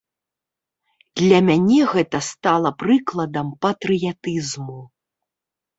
Для мяне гэта стала прыкладам патрыятызму.